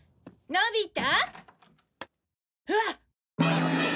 のび太！！